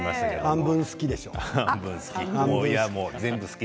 半分好きでしょう。